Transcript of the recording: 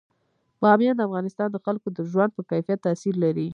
بامیان د افغانستان د خلکو د ژوند په کیفیت تاثیر لري.